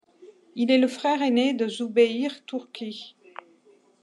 Il est le frère aîné de Zoubeir Turki.